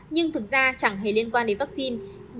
nhưng thực ra chẳng hề liên quan đến vaccine